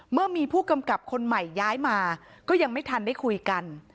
เมื่อมีผู้กำกับคนใหม่ย้ายมาก็ยังไม่ทันได้คุยกัน